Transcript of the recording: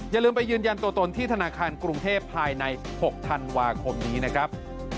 อย่าลืมไปยืนยันตัวตนที่ธนาคารกรุงเทพภายใน๖ธันวาคมนี้นะครับ